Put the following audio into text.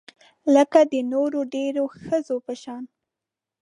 لکه د نورو ډیرو ښځو په شان